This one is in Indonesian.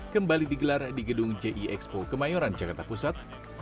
kembali digelar di gedung jie expo kemayoran jakarta pusat